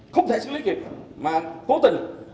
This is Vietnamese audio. không thể xử lý kịp mà cố tình